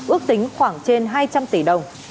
ước tính khoảng trên hai trăm linh tỷ đồng